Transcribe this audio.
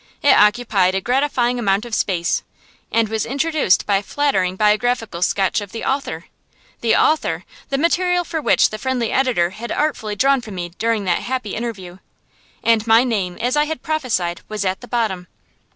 It occupied a gratifying amount of space, and was introduced by a flattering biographical sketch of the author the author! the material for which the friendly editor had artfully drawn from me during that happy interview. And my name, as I had prophesied, was at the bottom!